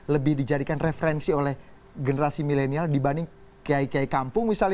lebih dijadikan referensi oleh generasi milenial dibanding kiai kiai kampung misalnya